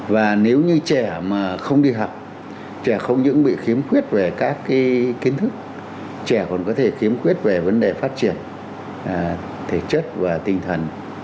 và nếu như trẻ mà không đi học trẻ không những bị khiếm khuyết về các kiến thức trẻ còn có thể khiếm khuyết về vấn đề phát triển thể chất và tinh thần